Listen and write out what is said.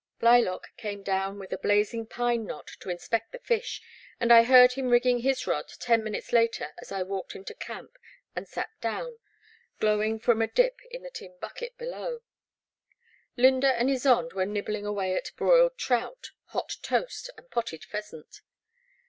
Blylock came down with a blazing pine knot to inspect the fish, and I heard him rigging his rod ten minutes later as I walked into camp and sat down, glowing from a dip in the tin bucket below. lyynda and Ysonde were nibbling away at broiled trout, hot toast, and potted pheasant.